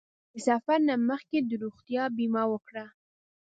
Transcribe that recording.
د سفر نه مخکې د روغتیا بیمه وکړه.